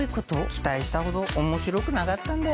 期待したほど面白くなかったんだよ。